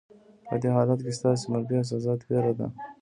په دې حالت کې ستاسې منفي احساسات وېره ده.